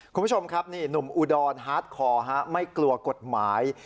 คุณผู้ชมครับนี่หนุ่มอุดรฮาร์ดคอไม่กลัวกฎหมาย